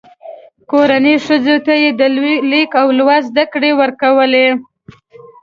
کورنۍ ښځو ته یې د لیک او لوست زده کړې ورکولې.